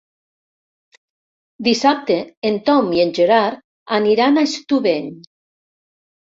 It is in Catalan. Dissabte en Tom i en Gerard aniran a Estubeny.